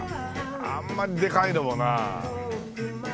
あんまりでかいのもな。